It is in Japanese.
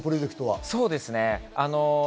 そうですね。